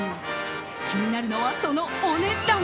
気になるのは、そのお値段。